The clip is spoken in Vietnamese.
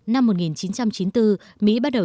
năm một nghìn chín trăm chín mươi bốn mỹ bắt đầu